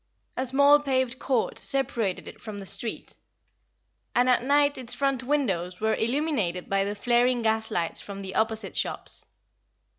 A small paved court separated it from the street; and at night its front windows were illuminated by the flaring gaslights from the opposite shops.